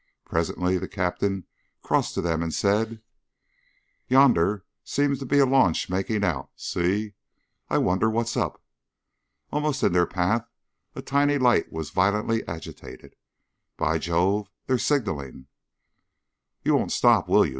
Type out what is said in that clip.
Presently the Captain crossed to them and said: "Yonder seems to be a launch making out. See? I wonder what's up." Almost in their path a tiny light was violently agitated. "By Jove! They're signalling." "You won't stop, will you?"